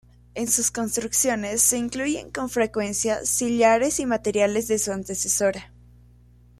En sus construcciones se incluyen con frecuencia sillares y materiales de su antecesora.